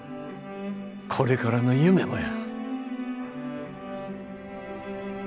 これからの夢もや。